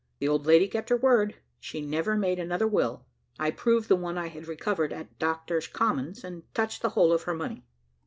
The old lady kept her word; she never made another will. I proved the one I had recovered at Doctor's Commons, and touched the whole of her money."